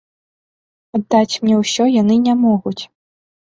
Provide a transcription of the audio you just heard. Аддаць мне ўсё яны не могуць.